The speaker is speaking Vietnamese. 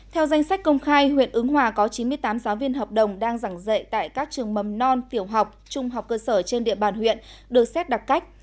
theo danh sách công khai huyện ứng hòa có chín mươi tám giáo viên hợp đồng đang giảng dạy tại các trường mầm non tiểu học trung học cơ sở trên địa bàn huyện được xét đặc cách